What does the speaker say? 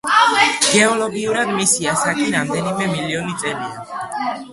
გეოლოგიურად, მისი ასაკი რამდენიმე მილიონი წელია.